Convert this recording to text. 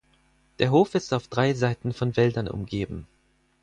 Der Hof ist auf drei Seiten von Wäldern umgeben.